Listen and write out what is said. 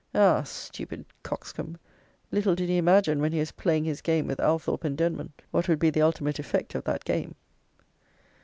_" Ah! stupid coxcomb! little did he imagine, when he was playing his game with Althorp and Denman, what would be the ultimate effect of that game!